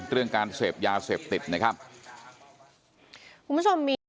เรื่องการเสพยาเสพติดนะครับคุณผู้ชมมี